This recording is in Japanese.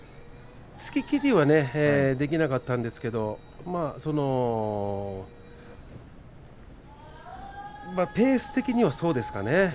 突ききりができなかったんですけれどペース的にはそうですかね。